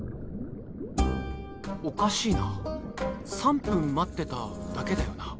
おかしいな３分待ってただけだよな。